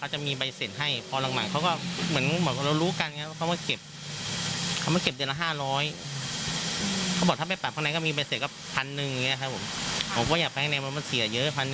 เขาจะมีใบเสร็จให้พอรักหมายเขาก็เหมือนแต่เบารู้กัน